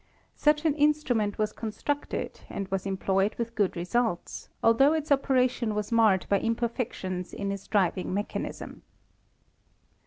Such an instrument was constructed and was employed with good results, altho its operation was marred by imperfections in its driving mechanism.